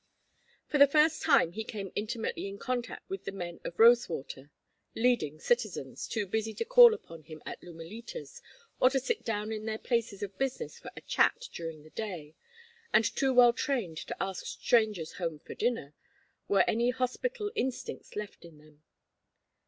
For the first time he came intimately in contact with the men of Rosewater: "leading citizens" too busy to call upon him at Lumalitas, or to sit down in their places of business for a chat during the day, and too well trained to ask strangers home for dinner, were any hospitable instincts left in them.